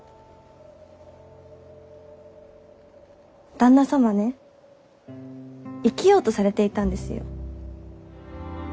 旦那様ね生きようとされていたんですよ。